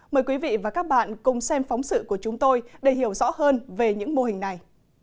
mời quý vị và các bạn cùng xem phóng sự của chúng tôi để hiểu rõ hơn về những mô hình này